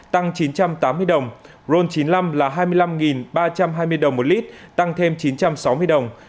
tăng chín trăm tám mươi đồng ron chín mươi năm là hai mươi năm ba trăm hai mươi đồng một lít tăng thêm chín trăm sáu mươi đồng